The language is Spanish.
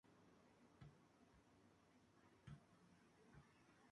La Estación Yeruá pertenece al Ferrocarril General Urquiza, en su ramal troncal.